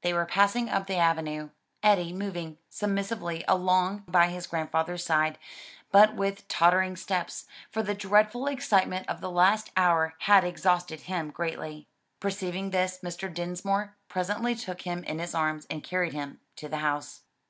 They were passing up the avenue, Eddie moving submissively along by his grandfather's side, but with tottering steps; for the dreadful excitement of the last hour had exhausted him greatly. Perceiving this Mr. Dinsmore presently took him in his arms and carried him to the house.